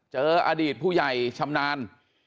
เจออดีตผู้ใหญ่ชำนาญ